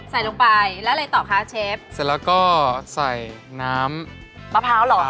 ใส่ลงไปแล้วอะไรต่อคะเชฟเสร็จแล้วก็ใส่น้ำมะพร้าวเหรอ